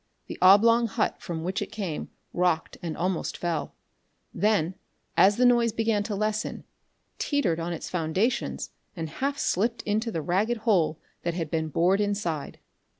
The oblong hut from which it came rocked and almost fell; then, as the noise began to lessen, teetered on its foundations and half slipped into the ragged hole that had been bored inside.